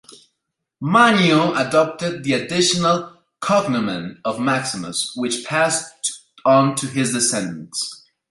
Manio adopted the additional "cognomen" of Maximus, which passed on to his descendants.